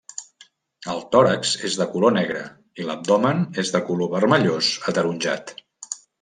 El tòrax és de color negre i l'abdomen és de color vermellós ataronjat.